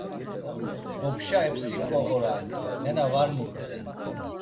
Opşa epsiǩo oran, nena var nintzen.